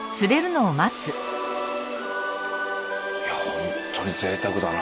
いやホントにぜいたくだな。